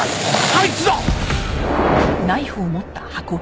あいつだ！